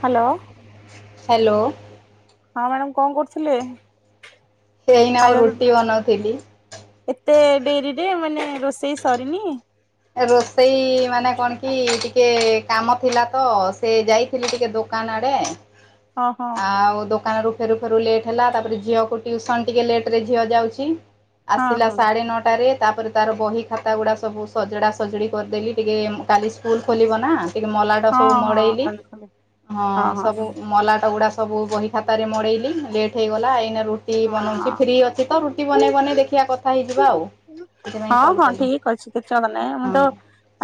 Hello. Hello. ହଁ madam କଣ କରୁଥିଲେ? ଏଇନା ମୁଁ ଖାଇବା ରୁଟି ବନଉଥିଲି। ଏତେ ଡେରିରେ ମାନେ ରୋଷେଇ ସରିନି? ରୋଷେଇ ମାନେ କଣ କି ଟିକେ କାମ ଥିଲା ତ ସେ ଯାଇଥିଲି ଟିକେ ଦୋକାନ ଆଡେ। ହଁ ହଁ ଆଉ ଦୋକାନ ରୁ ଫେରୁ ଫେରୁ ଲେଟ୍ ହେଲା ତାପରେ ଝିଅକୁ ଟୁସନ୍ ଟିକେ ଲେଟ୍ ରେ ଝିଅ ଯାଉଛି। ହଁ ଆସିଲା ହଁ ସାଢେ ନଅଟାରେ ତାପରେ ତାର ବହି ଖାତା ଗୁଡା ସବୁ ସଜଡ଼ା ସଜଡ଼ି କରିଦେଲି ଟିକେ କାଲି ସ୍କୁଲ ଖୋଲିବ ନା ଟିକେ ମଲାଟା ସବୁ ହଁ ହଁ ମଡେଇଲି କାଲି ଖୋଲି ହଁ ସବୁ ମଲାଟା ଗୁଡା ସ ସବୁ ବହି ଖାତାରେ ମଡ଼େଇଲି ଲେଟ୍ ହେଇଗଲା ଏଇନା ରୁଟି ବନଉଛି ହଁ ଫ୍ରି ଅଛି ତ ରୁଟି ବନେଇ ବନେଇ ଦେଖିବା କଥା ହେଇଯିବା ଆଉ ସେଥିପାଇଁ କଲ୍ କଲି। ନଇଁ ମୁଁ ତ ହଁ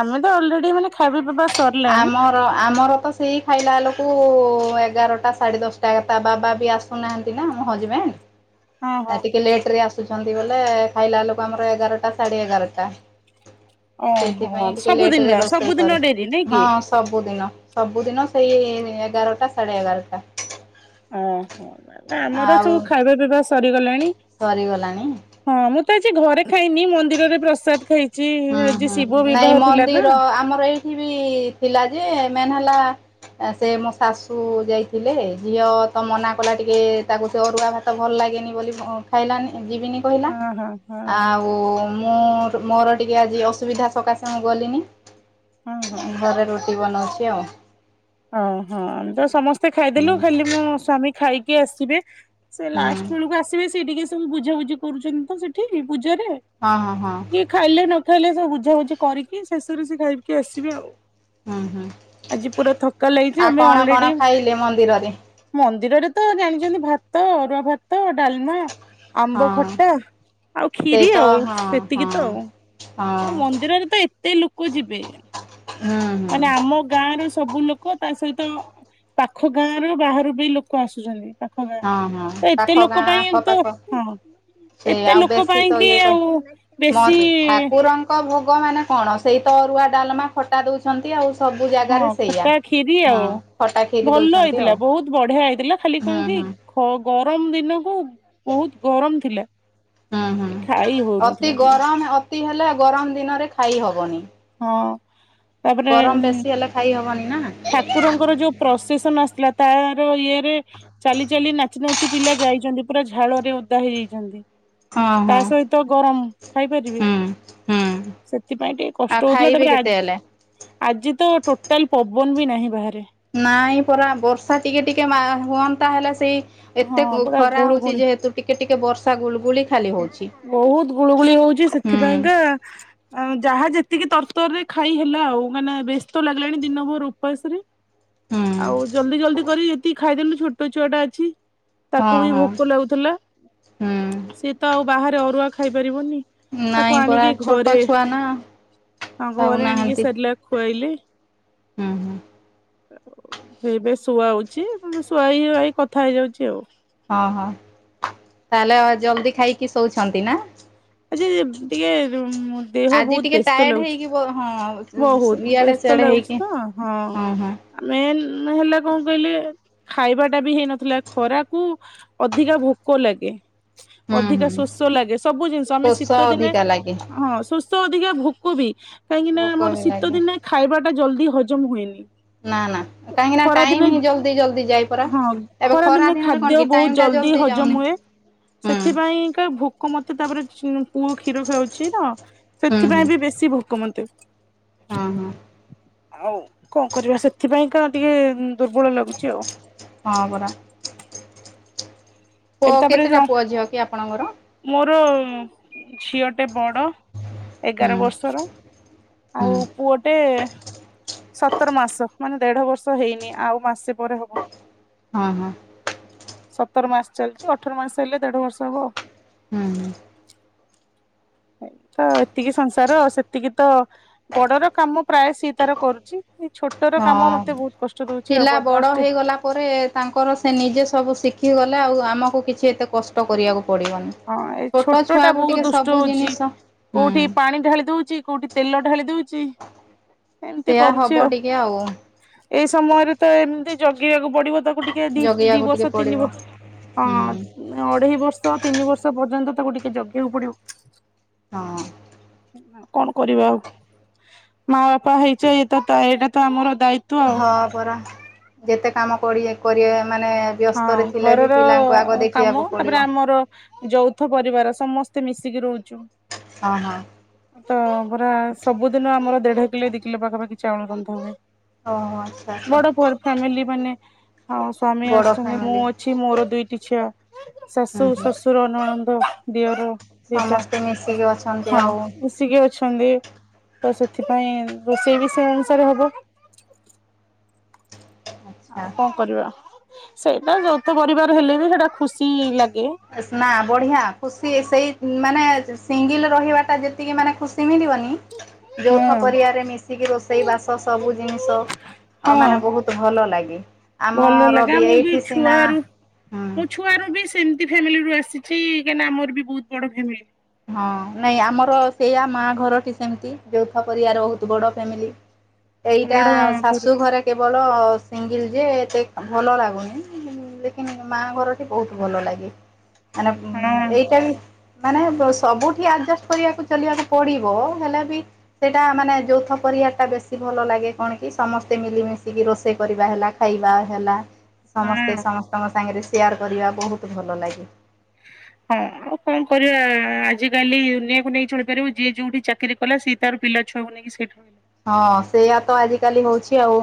ଆମେ ତ ଅଲରେଡି ମାନେ ଖାଇବା ବାସ୍ ଆମର ଆମର ତ ସେଇ ଖାଇଲା ବେଳକୁ ଏଗାରଟା ସାଢେ ଦଶଟା ଏକଥା ତା ବାବା ବି ଆସୁନାହାନ୍ତି ନା ମୋ ହଜବେଣ୍ଡ। ହଁ ଆ ହଁ ଟିକେ ଲେଟ୍ ରେ ଆସ ବୋଲେ ଖାଇଲା ଲୋକ ଆମର ଏଗାରଟା ସାଢେ ଏଗାରଟା। ଓ ସେଇଥିପାଇଁ ହୋ ଟିକେ ଲେଟରେ ସବୁଦିନ ରୋଷେଇ କରେ ସବୁଦିନ ଡେରି ନାଇଁ? ହଁ କି ସବୁଦିନ। ସବୁଦିନ ସେଇ ଏଗାରଟା ସାଢ଼େ ଏଗାରଟା। ଓ ହୋ ଆମର ସବୁ ଖାଇବା ପିଇବା ସରିଗଲାଣି। ସରି ଗଲାଣିି? ହଁ ମୁଁ ଆଜି ଘରେ ଖାଇନି ମନ୍ଦିରରେ ପ୍ରସାଦ ଖାଇି ହୁଁ ହୁଁ ନାଇଁ ମନ୍ଦିର ଆମର ଏଇଠି ବି ଥିଲା ଯେ ମେନ୍ ହେଲା ସେ ମୋ ଶାଶୁ ଯାଇଥିଲେ। ଝିଅ ତ ମନା କଲା ଟିକେ ତାକୁ ସେ ଅରୁଆ ଭାତ ଭଲ ଲାଗେନି ବୋଲି ଖାଇଲାନି ଯିବିନି କହିଲା। ହଁ ହଁ ହଁ ଆଉ ମୁଁ ମୋର କି ଆଜି ଅସୁବିଧା ସକାସେ ମୁଁ ଗଲିନି। ହଁ ହଁ ଘରେ ରୋଟି ବନଉଛ। ଚି ଆଉ। ଓ ହୋ ତ ସମସ୍ତେ ଖାଇଦେଲୁ। ହୁଁ ଖାଲି ମୋ ସ୍ଵାମୀ ଖାଇକି ଆସିବେ। ସେ ହୁଁ ଲାଷ୍ଟ ବେଳକୁ ଆସିବେ। ସେ ଟିକେ ସବୁ ବୁଝାବୁଝି କରୁଛନ୍ତି ତ ସେଠି। ପୂଜାରେ ହଁ ହଁ ହଁ କିଏ ଖାଇଲେ ନ ଖାଇଲେ ସବୁ ବୁଝାବୁଝି କରିକି ଶେଷରେ ସେ ଖାଇକି ଆସିବେ ଆଉ। ହୁଁ ହୁଁ ଆଜି ପୁରା ଥକ ଲଛି ଆଉ ଆମେ କଣ କଣ ଅନଲେଡି ଖାଇଲେ ମନ୍ଦିରରେ ମନ୍ଦିରରେ ତ ଜାଣିଛନ୍ତି ଭା ତ ଅରୁଆ ଭାତ ଡଲମା ଆମ୍ବ ହଁ ଖଟା ଆଉ ସେଇ ଖିରି ତ ଆଉ ହଁ ସେତିକି ହଁ ତ ଆଉ। ହଁ ଆଉ ମନ୍ଦିରରେ ତ ତେ ଲୋକ ଯିବେ ହୁଁ ହୁଁ ମାନେ ଆମ ଗାଁ ର ସବୁ ଲୋକ ଲୋକ ତା ସହିତ ପାଖ ଗାଁ ର ବାହାରୁ ବି ଲୋକ ଆସୁଛନ୍ତି। ତ ହଁ ହଁ ପାଖ ଏତେ ଲୋକ ଗାଁ ପାଇଁ ଏ ତୁ ଆଖପାଖ ହଁ ସେ ଏତେ ଆଉ ଲୋକ ବେଶୀ ପାଇଁ ତ କି ଇଏ କ ଆଉ ମ ବେଶୀ ଠାକୁରଙ୍କ ଭୋଗ ମାନେ ନା କଣ ସେଇ ତ ଅରୁଆ ଡାଲମା ଖଟା ଦଉଛନ୍ତି ଆଉ। ସବୁ ଜାଗାରେ ହଁ ସେଇଆ। ଖଟା ଖିରି ଆଉ ହଁ ଖଟା ଖିରି ଭଲ ଦଉଛନ୍ତି ଆଉ ହେଇଥିଲା ବହୁତ ବଢିଆ ହେଇଥିଲା। ଖାଲି ହୁଁ କଣ କି ହୁଁ ଗର ଗରମ ଦିନକୁ ବହୁତ ଗରମ ଥିଲା ହୁଁ ହୁଁ ଖାଇ ଅତି ହଉନଥିଲା ଖାଲି ଗରମ ଅତି ହେଲେ ଗରମ ଦିନରେ ଖାଇ ହବ ହବନି। ହଁ। ତାପରେ ଗରମ ବେଶୀ ହେଲେ ଖାଇ ହବନି। ନା ହଁ ଠାକୁରଙ୍କର ଯୋଉ ପ୍ରଶେସନ ଆସିଥିଲା ତାର ଇଏରେ ଚାଲି ଚାଲି ନାଚି ନାଚି ପିଲା ଯାଇଛନ୍ତି। ପୁରା ଝାଳ ରେ ଓଦା ହେଇଯାଇଛନ୍ତି। ତା ହଁ ସହିତ ଗରମ ଖାଇପାରିବି ହୁଁ ହୁଁ। ସେଥିପାଇଁ ଟିକେ ଆଉ କଷ୍ଟ ହଉଥିଲା। ଖାଇବେ ତାପରେ କେତେ ହେଲେ? ଆଜି ତ ଟୋଟାଲ ପ ବନ ବି ନାହିଁ ବାହାରେ। ନାଇଁ ପରା ବର୍ଷା ଟିକେ ଟିକେ ବା ହୁଅନ୍ତା ହେଲେ ସେ ତି ଏତେ ହଁ ଉ-ଉ ପୁରା ଖରା ହଉଛି ଯେହେତୁ ଟିକେ ଟିକେ ବର୍ଷା ଗୁଳୁଗୁଳି ଉ ବହୁତ ଗୁଳୁଗୁଳି ହଉଛି ହୁଁ ସେଥିପାଇଁକା ଆଉ ଯାହା ଯେତିକି ତରତର ରେ ଖାଇ ହେଲା ଆଉ। ମାନେ ବ୍ୟସ୍ତ ଲାଗିଲାଣି ଦିନ ଭୋର ଉପାସରେ। ହୁଁ ଆଉ ଜଲଦି ଜଲଦି କରି ଏତିକି ଖାଇଦେଲୁ ଛୋଟ ଛୁଆଟା ଅଛି। ତାକୁ ହଁ ବି ହଁ ଭୋକ ଲାଗୁଥିଲା। ହୁଁ ଆଉ ବାହାରେ ଅରୁଆ ଖାଇ ପାରିବନି। ନାଇଁ ପରା ଛୋଟ ଛୁଆ ନା ଘରେ ଆଣିକି ଖାଉନାହାନ୍ତି। ସେରେଲାକ ଖୁଆଇଲେ ହୁଁ ହୁଁ। ଏବେ ଶୁଆଉଛି ଶୁଆ ହେଇ ଆଇ କଥା ହେଇଯାଉଛି ଆଉ। ହଁ ହଁ, ତାହେଲେ ଜଲଦି ଖାଇକି ଶୋଉଛନ୍ତି ନା? ଆଜି ଟିକେ ଅମ୍ ଦେହ ଆଜି ବହୁତ ଟିକେ ବ୍ୟସ୍ତ ଟାୟାର୍ଡ ଲାଗୁଛି। ହେଇକି ହଁ ବହୁତ ଇଆଡେ ବ୍ୟସ୍ତ ସିଆଡେ ଲାଗୁଛି ହେଇକି ତ ହଁ ମେନ୍ ନ ହେଲା କଣ କହିଲେ। ଖାଇବା ଟା ବି ହେଇନଥିଲା ଖରାକୁ ଅଧିକା ଭୋକ ଲାଗେ। ହୁଁ ଅଧିକା ହୁଁ ଶୋଷ ଲାଗେ। ସବୁ ଜିନିଷ ଆମେ ଶୋଷ ଶୀତ ଦିନେ ଅଧିକା ଲାଗେ ହଁ ସୁସ୍ ଷ ଅଧିକା ଭୋକ ବି। କାହିଁକି ନା ଭୋକ ମୋର ବି ଶୀତ ଲାଗେ ଦିନେ ଖାଇବା ଟା ଜଲଦି ହଜମ ହୁଏନି। ନା ନା କାହିଁକି ନା ଟାଇମ ଖରାଦିନେ ହିଁ ଜଲ୍ଦି ଜଲ୍ଦି ଯାଇ ପରା ହଁ ଏବେ ଖରା ଖରାଦିନେ ଦିନରେ କଣ ଖାଦ୍ୟ କି ଟାଇମ ବହୁତ ଟା ଜଲଦି ଜଲ୍ଦି ହଜମ ଯାଉନି ହୁଏ। ହୁଁ ସେଥିପାଇଁକା ଭୋକ ମତେ ତାପରେ ପୁଅ କ୍ଷୀର ଖାଉଛି ତ ହୁଁ ହୁଁ ସେଥିପାଇଁ ବି ବେଶୀ ଭୋକମତେ। ହଁ ହଁ। କଣ କରିବା ସେଥିପାଇଁ କା ଟିକେ ଦୁର୍ବଳ ଲାଗୁଛି ଆଉ। ହଁ ପରା ପୁଅ ଏବେ ତାପରେ ଯୋଉ କେତେଟା ପୁଅ ଝିଅ କି ଆପଣଙ୍କର? ମୋର ଝିଅ ଟେ ବଡ। ହୁଁ ଏଗାର ବର୍ଷର ହୁଁ ଆଉ ପୁଅଟେ-ଏ-ଏ [unintelligible] ସତର ମାସ ମାନେ ଦେଢ ବର୍ଷ ହେଇନି ଆଉ ମାସେ ପରେ ହବ। ହଁ ହଁ। ସତର ମାସ ଚାଲିଛି ଅଠର ମାସ ଚାଲିଲେ ଦେଢ ବର୍ଷ ହବ ଆଉ। ହୁଁ ହୁଁ ତ ଏତିକି ସଂସାର ସେତିକି ତ ବଡର କାମ ପ୍ରାୟ ସିଏ ତାର କରୁଛି। ଛୋଟର କାମ ମତେ ବହୁତ କଷ୍ଟ ହଁ ଦଉଛି ଆଉ ପିଲା ବଡ ବଦମାସଟେ। ହେଇଗଲା ପରେ ତାଙ୍କର ସେ ନିଜେ ସବୁ ଶି ଶଖି ଗଲେ ଆଉ ଆମକୁ କିଛି ଏତେ କଷ୍ଟ କରିବାକୁ ପଡ଼ିବନି ହଁ ଏ ଛୋଟ ଟା ଛୁଆକୁ ବହୁତ ଟିକେ ଦୁଷ୍ଟ ସବୁ ହଉଛି ଜିନିଷ ହୁଁ କୋଉଠି ପାଣି ଢାଳି ଦଉଛି କୋଉଠି ତେଲ ଢାଳି ଦଉଛି। ଏମିତି ସେଇୟା କରୁଛି ହବ ଟିକେ ଆଉ। ଏଇ ସମୟରେ ତ ଏମିତି ଜଗିବାକୁ ପଡିବ ତାକୁ ଟିକେ ଦି ଦି ଜଗିବାକୁ ଟିକେ ବର୍ଷ ତିନି ପଡ଼ିବ ବର୍ଷ ହୁଁ ହଁ ଅଢେଇ ବର୍ଷ ପର୍ଯ୍ୟନ୍ତ ତାକୁ ଟିକେ ଜଗିବାକୁ ପଡିବ। ହଁ। କଣ କରିବା ଆଉ ମା ବାପା ହେଇଛ ଏ ତ ଏଇଟା ତ ଆମର ଦାୟିତ୍ଵ ଆଉ। ହଁ ପରା ଯେତ କାମ କ କରିବା ମାନେ ହଁ ବ୍ୟସ୍ତରେ ଥିଲେ ବି ଘରର ପିଲାଙ୍କୁ ଆଗ କାମ ଦେଖିବାକୁ ପଡ଼ିବ। ତାପରେ ଆମର ଯଉ ରଥ ପରିବାର ସମସ୍ତେ ମିଶିକି ରହୁଛୁ। ହଁ ହଁ। ତ ପୁରା ସବୁଦିନ ଆମର ଦେଢ କିଲୋ ଦି କିଲୋ ପାଖାପାଖି ଚାଉଳ ରନ୍ଧା ହୁଏ। ଓହୋ ଆଚ୍ଛା ଆଚ୍ଛା ବଡ ବହୁତ ଫ୍ୟାମିଲି ମାନେ ହଁ ସ୍ୱାମୀ ବଡ଼ ଆସ ମୁଁ ଫ୍ୟାମିଲି। ଅଛି ମୋ ଦୁଇଟି ଛୁଆ ହୁଁ ଶାଶୁ ହୁଁ। ଶ୍ୱଶୁର ନନନ୍ଦ ଦିଅର ଦିଟା ସମସ୍ତେ ମିଶିକି ଅଛନ୍ତି ହଁ ଆଉ। ମିଶିକି ଅଛନ୍ତି। [unintelligible] ତ ସେଥିପାଇଁ ରୋଷେଇ ବି ସେ ଅନୁସାରେ ହବ। ଆଚ୍ଛା। ଆଉ କଣ କରିବା। ସେଇଟା ଯୋତେ ପରିବାର ହେଲେ ବି ସେଇଟା ଖୁସି ଲାଗେ ନା ବଢିଆ ଖୁସି ସେଇ ମାନେ ସିଙ୍ଗିଲ ରହିବାଟା ଯେତିକି ମାନେ ଖୁସି ସିମିଳିବନି ଯଉଥ ହଁ ପରରିଆରେ ମିଶିକି ରୋଷେଇ ବାସ ସବୁ ଜିନିଷ ହଁ ମାନେ ବହୁତ ଭଲ ଲାଗେ। [inaudible] ଭଲ ଆମର ଲାଗା ମୁଁ ବି ଏଇଠି ସିନା ଛୁଆରୁ ହୁଁ। ମୋ ଛୁଆ ର ବି ସେମିତି ଫ୍ୟାମିଲିରୁ ଆସିଛି କାହିଁକି ଆମର ବି ବହୁତ ବଡ ଫ୍ୟାମିଲି। ହଁ ନାଇଁ ଆମର ସେଇଆା ମା ଘରଟି ସେମତି, ଯୋଉଥ ପରିଆ ବହୁତ ବଡ ଫ୍ୟାମିଲି। ଏଇଟା ବଡ ପୁରା ଶାଶୁ ଘରେ କେବଳ ସିଙ୍ଗିଲ୍ ଯେ ଏତେ ଭଲ ଲାଗୁନି ଦେଖିନ ମା ଘରଟି ବହୁତ ଭଲ ଲାଗେ ମାନେ ହଁ ଏଇଟା ବି ମାନେ ସବୁଠି ଆଡଜଷ୍ଟ କରିବାକୁ ଚାଲିବାକୁ ପଡିବ ହେଲେ ବି ସେଇଟା ମାନେ ଯୌଥ ପରିବାାର ଟା ବେଶୀ ଭଲ ଲାଗେ କଣ କି ସମସ୍ତେ ମିଲିମିଶିକି ରୋଷେଇ କରିବା ହେଲା, ଖାଇବା ହେଲା ସମସ୍ତେ ହଁ। ସମସ୍ତଙ୍କ ସାଙ୍ଗରେ ସେଆାର କରିବା ବହୁତ ଭଲ ଲାଗେ। ହଁ ଆଉ କଣ କରିବା ଆଜିକାଲି ଦୁନିଆକୁ ନେଇକି ଚଳିପାରିବ। ଯିଏ ଯୋଉଠି ଚାକିରି କଲା ସିଏ ତାର ପିଲା ଛୁଆକୁ ନେଇକି ସେଇଠି ରହିଲା ହଁ ସେଇୟା ତ ଆଜିକାଲି ହଉଛି ଆଉ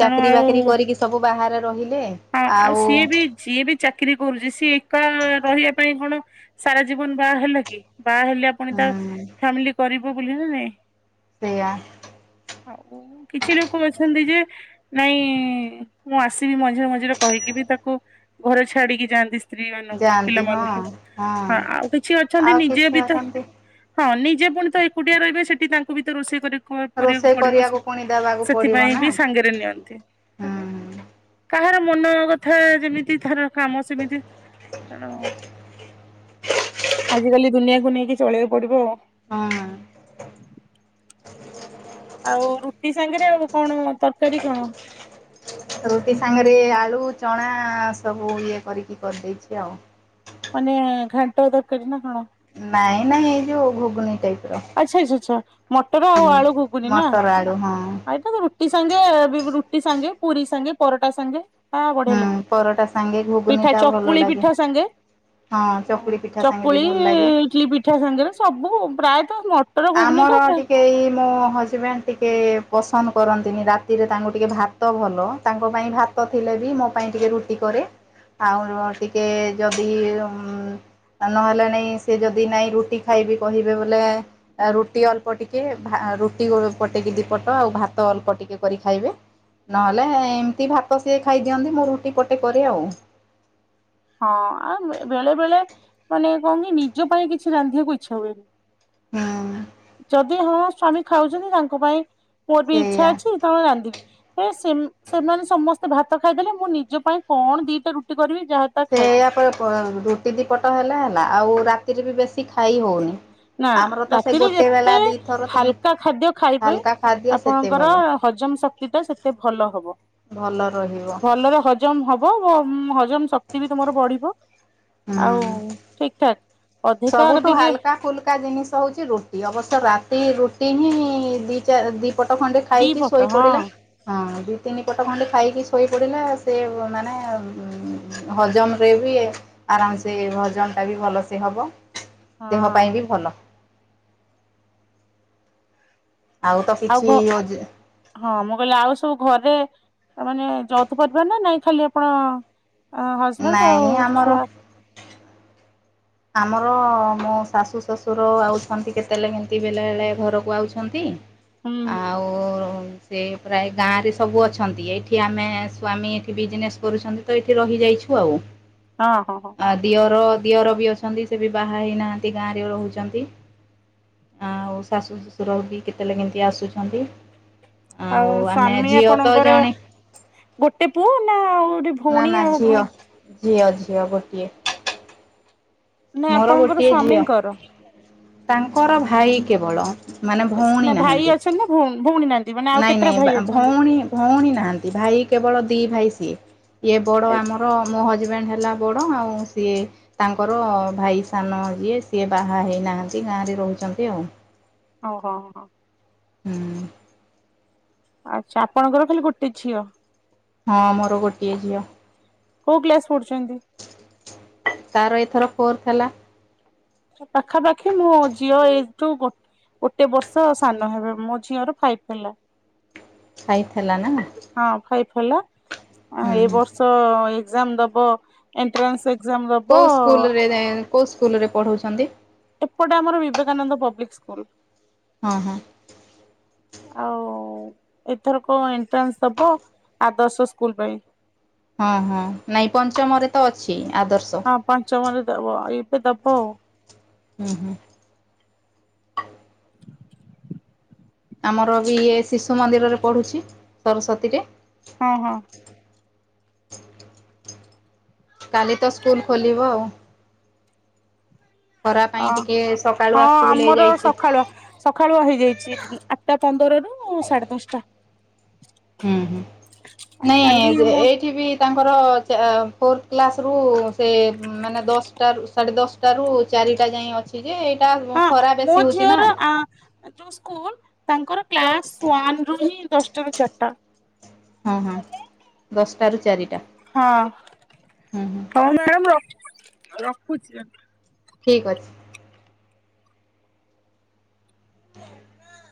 ତେଣୁ ଚାକିରୀ ବାକିରି ଆଉ କରିକି ସବୁ ବାହାରେ ରହିଲେ। ହଁ ଆଉ ସିଏ ବି ଯିଏ ବି ଚାକିରି କରୁଛି ସିଏ ଏକା ରହିବା ପାଇଁ କଣ ସାରା ଜୀବନ ବାହା ହେଲା କି? ବାହା ହେଲେ ଆପଣ ତା ହୁଁ ଫାମିଲି କରିବ ବୋଲି ନା ନାଇଁ ସେଆା ଆଉ କିଛି ଲୋକ ଅଛନ୍ତି ଯେ ନାଇଁ ମୁଁ ଆସିବି ମଝରେ ମଝିରେ କହିକି ବି ତାକୁ ଘରେ ଛାଡିକି ଯାଆନ୍ତି। ସ୍ତ୍ରୀ ମାନଙ୍କୁ ଯାଆନ୍ତି ହଁ ପିଲାମାନଙ୍କୁ ହଁ ଆଉ କିଛି ଅଛନ୍ତି ଆଉ ନିଜେ କିଛି ବି ତ ଅଛନ୍ତି ହଁ ନିଜେ ପୁଣି ତ ଏକୁଟିଆ ରହିବେ ସେଠି ତାଙ୍କୁ ବି ତ ରୋଷେଇ କର କରିବାକୁ ରୋଷେଇ ପଡିବ କରିବାକୁ ପୁଣି ଦେବାକୁ ପଡିବ ସେଥିପାଇଁ ନା ବି ସାଙ୍ଗରେ ନିଅନ୍ତି। ହୁଁ ତାହାର ମନ କଥା ଯେମିତି ଥର କାମ ସେମିତି କଣ ଆଜିିକାଲି ଦୁନିଆକୁ ନେଇ ଚଳେଇକୁ ପଡିବ। ହୁଁ ଆଉ ରୁଟି ସାଙ୍ଗରେ ଆଉ କଣ ତରକାରୀ କଣ? ରୁଟି ସାଙ୍ଗରେ ଆଳୁ ଚଣା ସବୁ ଇଏ କରିକି କରିଦେଇଛି ଆଉ। ମାନେ ଘାଣ୍ଟ ତରକାରୀ ନା କଣ? ନାଇଁ ନାଇଁ ଏଇ ଯୋଉ ଘୁଗୁନି ଟାଇପ ର ଆଚ୍ଛା ଆଚଛା ଆଚଛା। ମଟର ଆଉ ହୁଁ ଆଳୁ ଘୁଗୁନି ନା, ମଟର ଆଳୁ ହଁ ଏଟା ରୁଟି ସାଙ୍ଗେ ଟି ସାଙ୍ଗେ ପୁରୀ ସାଙ୍ଗେ ପରଟା ସାଙ୍ଗେ ତା ବଢିଆ ହୁଁ ଲାଗିବ, ପରଟା ସାଙ୍ଗେ ଘୁଗୁନି ପିଠା ଟା ଭଲ ଚକୁଳି ଲାଗେ ପିଠା ସାଙ୍ଗେ ହଁ ଚକୁଳି ପିଠା ସାଙ୍ଗେ ବି ଚକୁଳି ଭଲ ଲାଗେ ଇଟଲି ପିଠା ସାଙ୍ଗରେ ସବୁ ପ୍ରାୟ [inaudible] ଟା ଆମର ଟିକେ ଏଇ ମୋ ହଜବେଣ୍ଡ ଟିକେ ପସନ୍ଦ କରନ୍ତିନି ରାତିରେ ତାଙ୍କୁ ଟିକେ ଭାତ ଭଲ ତାଙ୍କ ପାଇଁ ଭାତ ଥିଲେ ବି ମୋ ପାଇଁ ଟିକେ ରୁଟି କରେ ଆଉ ଟିକେ ଯଦି ନହେଲେ ନାଇଁ ସେ ଯଦି ନାଇଁ ରୁଟି ଖାଇବି କହିବେ ବୋଲେ ରୁଟି ଅଳ୍ପ ଟିକେ ଭା ରୁଟି ପଟେଇକି ଦି ପଟ ଆଉ ଭାତ ଅଳ୍ପ ଟିକେ କରି ଖାଇବେ ନହେଲେ ଏମିତି ଭାତ ସିଏ ଖାଇଦିଅନ୍ତି ମୁଁ ରୁଟି ପଟେ କରେ ଆଉ। ହଁ ଆଉ ବେଳେ ବେଳେ ମାନେ କଣ କି ନିଜ ପାଇଁ କିଛି ରାନ୍ଧିବାକୁ ଇଚ୍ଛା ହୁଏନି। ହୁଁ ଚଦ୍ ଯଦି ହଁ ସ୍ଵାମୀ ଖାଉଛନ୍ତି ତାଙ୍କ ପାଇଁ ମୋର ବି ଇଚ୍ଛା ସେଇଆ। ଅଛି ତା ମାନେ ରାନ୍ଧିବି। ହେ ସେ ସେମାନେ ସମସ୍ତେ ଭାତ ଖାଇଦେଲେ ମୁଁ ନିଜ ପାଇଁ କଣ ଦିଟା ରୁଟି କରିବି ଯାହା ତାହା ସେୟା ଖାଇଦିଏ। ପର ପର ରୁଟି ଦି ପଟ ହେଲେ ହେଲା। ଆଉ ରାତିରେ ବି ବେଶ୍ ନା ରାତିରେ ଗୋଟେ ବେଲା ଯେତେ ଦିଥର ତିନି ହାଲକା ଖାଦ୍ୟ ଖାଇବେ ହାଲକା ଖାଦ୍ୟ ସେତେ ଆପଣଙ୍କର ଭଲ। ହଜମ ଶକ୍ତି ଟା ସେତେ ଭଲ ହବ ଭଲ ରହିବ ଭଲରେ ହଜମ ହବ୍। ହବ ହଜମ୍ ଶକ୍ତି ବି ତମର ବଢିବ। ଆଉ ହୁଁ। ଠିକ ଠାକ ଅଧିକା ସବୁଠୁ ଟିକେ ହାଲକା ଫୁଲୁକା ଜିନିଷ ହଉଛି ରୁଟି ଅବଶ୍ୟ ରାତି ରୁ [inaudible] ପଟ ଖଣ୍ଡେ ଦି ଖାଇକି ପଟ ଶୋଇ ହଁ ପଡିଲା ହଁ ଦି ତିନି ପଟ ଖଣ୍ଡେ ଖାଇକି ଶୋଇପଡ଼ିଲା ସେ ମାନେ ହଜମରେ ବି ଆରାମସେ ହଜମଟା ବି ଭଲସେ ହେବ। ଦେହ ହଁ ପାଇଁ ବି ଭଲ। ଆଉ ତ କିଛି ଓଯ ହଁ ମୁଁ କହିଲି ଆଉ ସବୁ ଘରେ ମାନେ ଯଉଥୁ ପାରିବା ନା ନାଇଁ ଖାଲି ଆପଣ ଅ ହଜବ୍ୟାଣ୍ଡ ଆଉ ନାଇଁ ଆମର ଛୁଆ। ଆମର ମୋ ଶାଶୁ ଶ୍ୱଶୁର ଆଉଛନ୍ତି କେତେବେଳେ କେମିତି ବେଳେ ବଳେ ଘରକୁ ଆଉଛନ୍ତି। ହୁଁ ହୁଁ। ଆଉ ସେ ପ୍ରାୟ ଗାଁରେ ସବୁ ଅଛନ୍ତି ଏଇଠି ଆମେ ସ୍ୱାମୀ ଏଠି ବିଜନେସ୍ କରୁଛନ୍ତି ତ ଏଇଠି ରହିଯାଇଛୁ ଆଉ। ହଁ ହଁ ହଁ ଆ ଦିଅର ଦିଅର ବି ଅଛ ସେ ବି ବାହା ହେଇନାହାନ୍ତି ଗାଁରେ ରହୁଛନ୍ତି ଆଉ ଶାଶୁ ଶ୍ୱଶୁର ବି କେତେଳେ କେମିତି ଆସୁଛନ୍ତି। ଆଉ ଆମେ ସ୍ଵାମୀ ଝିଅ ତ ଆପଣଙ୍କର ଜଣେ ଗୋଟେ ପୁଅ ନା ଆଉ ଗୁଟେ ନା ଭଉଣୀ ନା ଆଉ ଝିଅ ଭାଇ। ଝିଅ ଝିଅ ଗୋଟିଏ। ନାଇ ମୋର ଆପଣଙ୍କର ଗୋଟିଏ ଝିଅ। ସ୍ଵାମୀଙ୍କର ତାଙ୍କର ଭାଇ କେବଳ। ମାନେ ସ ଭଉଣୀ ନା ଭାଇ ନାହାନ୍ତି। ଅଛନ୍ତି ନା ଭଉ ଭଉଣୀ ନାହାନ୍ତି। ମାନେ ଆଉ ନାଇଁ କେତେଟା ନାଇଁ ଭାଇ ବା ଅଛନ୍ତି? ଭଉଣୀ ଭଉଣୀ ନାହାନ୍ତି ଭାଇ କେବଳ ଦି ଭାଇ ସିଏ। ଇଏ ବଡ ଆମର ମୋ ହଜବେ ହଜବେଣ୍ଡ ହେଲା ବଡ଼ ଆଉ ସିଏ ତାଙ୍କର ଭାଇ ସାନ ଯିଏ ସିଏ ବାହା ହେଇନାହାନ୍ତି। ଗାଁରେ ରହୁଛନ୍ତି ଆଉ। ଓହୋ ହୋ। ହୁଁ। ଆଛା ଆପଣଙ୍କର ଖାଲି ଗୋଟେ ଝିଅ? ହଁ ମୋର ଗୋଟିଏ ଝିଅ। କଉ କ୍ଲାସ ପଢୁଛନ୍ତି? ତାର ଏଥର ଫୋର୍ଥ ହେଲା। [inaudible] ପାଖାପାଖି ମୁଁ ଝିଅ ଏଇ ଠୁ ଗୋ ଗୋଟେ ବର୍ଷ ସାନ ହେବେ ମୋ ଝିଅର ଫାଇଭ ହେଲା। ଖାଇଥିଲା ନା ହେଲୋ ଆ ଏ ବର୍ଷ ଏ ଏକ୍ସଜାମ୍ ଦବ ଏଣ୍ଟ୍ରାନ୍ସ ଏକ କଉ ସ୍କୁଲରେ ରେ କଉ ସ୍କୁଲରେ ପଢ଼ଉଛନ୍ତି? ଏପଟେ ଆମର ବିବେକାନନ୍ଦ ପବ୍ଲିକ ସ୍କୁଲ। ହଁ ହଁ। ଆଉ ଏଥର କ ଏଣ୍ଟ୍ରାନ୍ସ ଦବ ଆଦର୍ଶ ସ୍କୁଲ ପାଇଁ। ହଁ ହଁ ନାଇଁ ପଞ୍ଚମରେ ତ ଅଛି ଆଦର୍ଶ। ହଁ ପଞ୍ଚମରେ ଦେବ ଏ ସେ ଦବ। ହୁଁ ହୁଁ। ଆମର ବି ଇଏ ଶିଶୁ ମନ୍ଦିରରେ ପଢୁଛି ସରସ୍ଵତୀରେ। ହଁ ହଁ। କାଲି ତ ସ୍କୁଲ ଖୋଲିବ। ଖରା ପାଇଁ ଅ ଟିକେ ହଁ ସକାଳୁଆ ସ୍କୁଲ ଆମର ହେଇଯାଇଛି। ସକାଳୁଆ ସକାଳୁଆ ହେଇଯାଇଛି। ଆଠଟା ପନ୍ଦରରୁୁ ସାଢେ ଦଶଟା। ହୁଁ ହୁଁ ଆଉ ନାଇଁ ଏ କାଲି ଯ ମୁଁ ଏଇଠି ବି ତାଙ୍କର ଚ ଅ ଫୋର୍ କ୍ଲାସ ରୁ ସେ ମାନେ ଦଶଟାରୁ ସାଢ଼େ ଦଶଟାରୁ ଚାରିଟା ଯାଏଁ ଅଛି ଯେ ହଁ ଖରା ଅ ମୋ ବେଶୀ ହଉଛି ନା। ଝିଅର ଆ ଯୋଉ ସ୍କୁଲ ତାଙ୍କର କ୍ଲାସ ୱାନ ରୁ ହିଁ ଦଶ ଟାରୁ ଚାରିଟା। ହଁ ହଁ ଦଶଟା ରୁ ଚାରି ହଁ ହଉ ମ୍ୟାଡ଼ମ୍ ରଖ ରଖୁଛି। ଠିକ ଅଛି। [unintelligible]